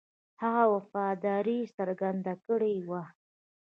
هغه وفاداري څرګنده کړې وه.